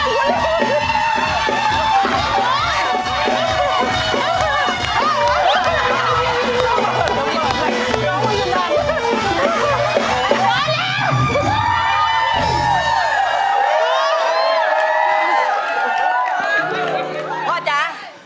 พ่อเชื่อมันในตัวลูกพ่อได้